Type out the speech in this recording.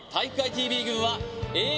ＴＶ軍はＡぇ！